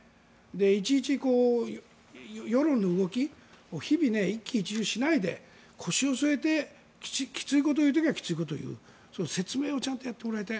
いちいち夜の動きを日々、一喜一憂しないで腰を据えてきついことを言う時はきついことを言う説明をちゃんとやってもらいたい。